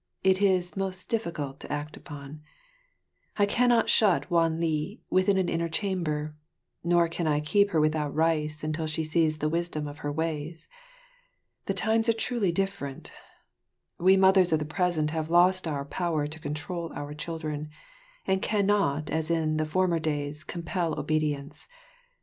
It is most difficult to act upon. I cannot shut Wan li within an inner chamber, nor can I keep her without rice until she sees the wisdom of her ways. The times are truly different; we mothers of the present have lost our power to control our children, and cannot as in former days compel obedience.